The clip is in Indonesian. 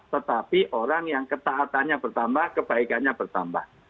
tetapi orang yang ketaatannya bertambah kebaikannya bertambah